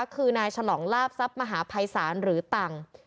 คือนายฉลองลาบทรัพย์มหาภัยศาลหรือตังค์